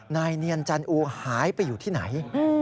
นายเนียนจันอูหายไปอยู่ที่ไหน